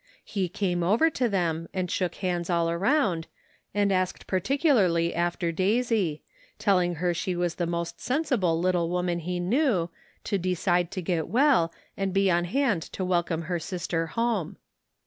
He came over to them and shook hands all around, and asked particularly after Daisy, telling her she was the most sensible little woman he knew, to decide to get well, and be on hand to wel come her sister home.